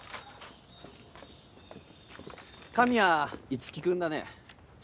神谷樹君だね？